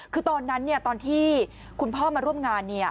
คือตอนนั้นเนี่ยตอนที่คุณพ่อมาร่วมงานเนี่ย